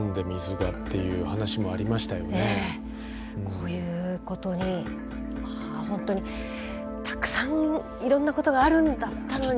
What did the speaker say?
こういうことに本当にたくさんいろんなことがあるんだったのに。